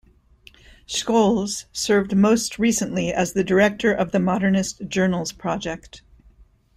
Scholes served most recently as the director of the Modernist Journals Project.